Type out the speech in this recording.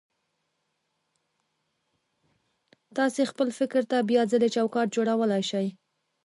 تاسې خپل فکر ته بيا ځلې چوکاټ جوړولای شئ.